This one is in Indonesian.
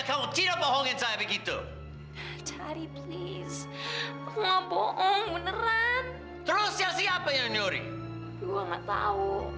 gue gak tau